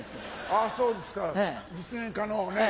あそうですか実現可能ね。